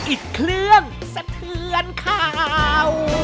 อิดเคลื่อนสะเทือนเขา